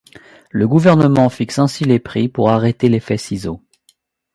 Le gouvernement fixe ainsi les prix pour arrêter l'effet ciseaux.